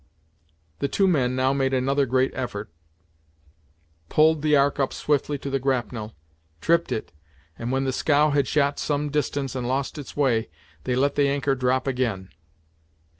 The two men now made another great effort, pulled the Ark up swiftly to the grapnel, tripped it, and when the scow had shot some distance and lost its way, they let the anchor drop again.